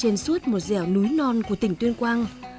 trên suốt một dẻo núi non của tỉnh tuyên quang